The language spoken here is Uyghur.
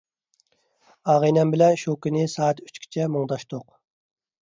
ئاغىنەم بىلەن شۇ كۈنى سائەت ئۈچكىچە مۇڭداشتۇق.